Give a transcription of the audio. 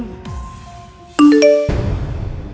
namanya nama tante dewi